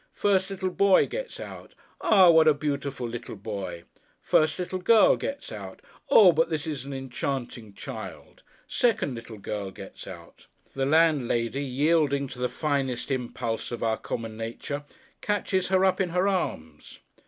First little boy gets out. Ah, what a beautiful little boy! First little girl gets out. Oh, but this is an enchanting child! Second little girl gets out. The landlady, yielding to the finest impulse of our common nature, catches her up in her arms!